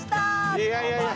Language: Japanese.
いやいやいや。